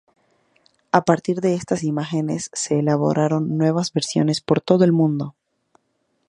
A partir de estas imágenes se elaboraron nuevas versiones por todo el mundo.